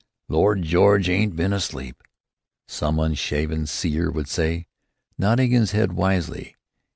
"Lloyd George ain't been asleep," some unshaven seer would say, nodding his head wisely.